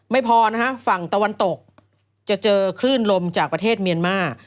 ไม่พอนะฮะฝั่งตะวันตกจะเจอคลื่นลมจากประเทศเมียนมา